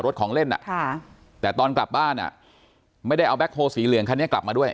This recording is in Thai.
ของเล่นแต่ตอนกลับบ้านไม่ได้เอาแบ็คโฮลสีเหลืองคันนี้กลับมาด้วย